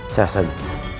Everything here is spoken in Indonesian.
saya selalu dihidupkan